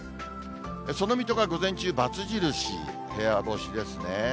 その水戸が午前中バツ印、部屋干しですね。